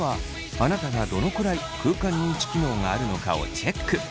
あなたがどのくらい空間認知機能があるのかをチェック。